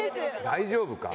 大丈夫か？